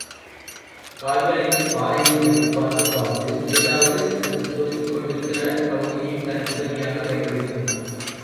கால்களையும் பாறை மேல் வைத்துப் பார்த்துப் பார்த்து ஏதாவது சிறிது துறுத்திக்கொண்டிருக்கிற பகுதியையும் தனக்கு உதவியாகப் பயன்படுத்திக்கொண்டான்.